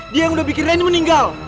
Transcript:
dia yang udah bikin reni meninggal